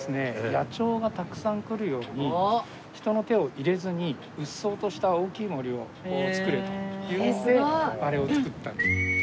野鳥がたくさん来るように人の手を入れずにうっそうとした大きい森を作れというのであれを作った。